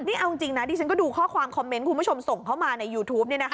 นี่เอาจริงนะดิฉันก็ดูข้อความคอมเมนต์คุณผู้ชมส่งเข้ามาในยูทูป